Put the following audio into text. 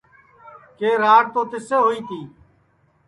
کہ راڑ تو تیسے ہوئی تی